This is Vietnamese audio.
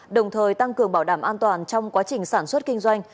đồng thời tăng cường bảo đảm an toàn trong quá trình sản xuất kinh doanh